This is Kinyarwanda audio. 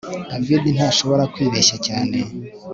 David ntashobora kwibeshya cyane